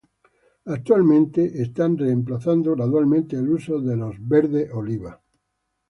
Actualmente están reemplazando gradualmente el uso de los "Verde Oliva".